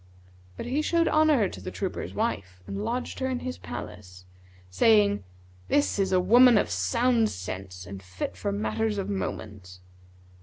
But he showed honour to the trooper's wife and lodged her in his palace, saying, 'This is a woman of sound sense and fit for matters of moment.'